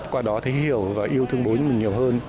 qua đó thấy hiểu và yêu thương bốn mình nhiều hơn